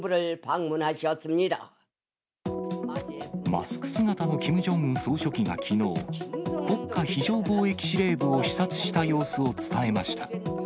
マスク姿のキム・ジョンウン総書記がきのう、国家非常防疫司令部を視察した様子を伝えました。